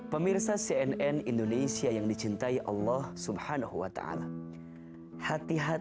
pemirsa cnn indonesia yang dicintai allah subhanahu wa ta'ala